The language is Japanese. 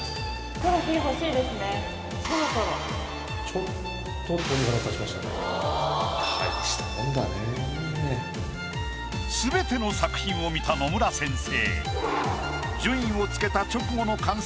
ちょっとすべての作品を見た野村先生。